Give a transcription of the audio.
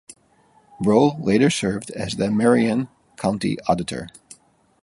Breaux later served as the Marion County Auditor.